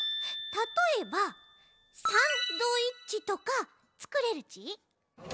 たとえばサンドイッチとかつくれるち？